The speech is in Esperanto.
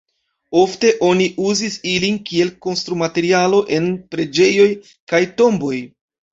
Ofte oni uzis ili kiel konstrumaterialo en preĝejoj kaj tomboj.